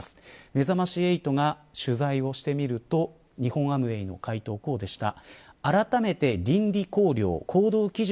めざまし８が取材をすると日本アムウェイの回答はこうでした。